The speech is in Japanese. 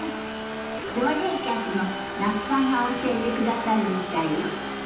常連客の那須さんが教えてくださるみたいよ。